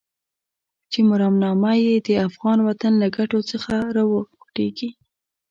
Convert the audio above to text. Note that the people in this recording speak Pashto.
چې مرامنامه يې د افغان وطن له ګټو څخه راوخوټېږي.